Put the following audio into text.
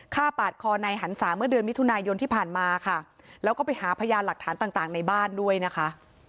ปาดคอในหันศาเมื่อเดือนมิถุนายนที่ผ่านมาค่ะแล้วก็ไปหาพยานหลักฐานต่างต่างในบ้านด้วยนะคะ